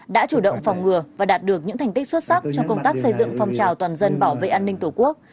đã chủ động phòng ngừa và đạt được những thành tích xuất sắc trong công tác xây dựng phong trào toàn dân bảo vệ an ninh tổ quốc